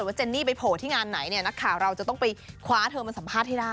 เจนนี่ไปโผล่ที่งานไหนเนี่ยนักข่าวเราจะต้องไปคว้าเธอมาสัมภาษณ์ให้ได้